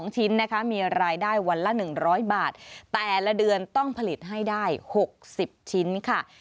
๒ชิ้นนะคะมีรายได้วันละ๑๐๐บาทแต่ละเดือนต้องผลิตให้ได้๖๐ชิ้นค่ะ